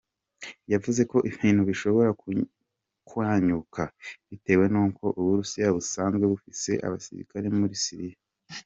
Yavuze ko ibintu bishobora kwunyuka, bitewe nuko Uburusiya busanzwe bufise abasirikare muri Siriya.